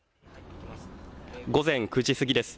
午前９時過ぎです。